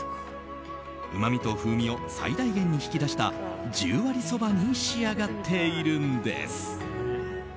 うまみと風味を最大限に引き出した十割そばに仕上がっているんです。